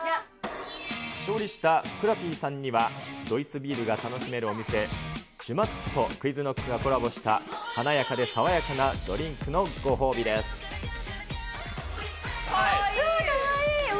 勝利したふくらＰさんにはドイツビールが楽しめるお店、シュマッツとＱｕｉｚＫｎｏｃｋがコラボした華やかで爽やかなドかわいい。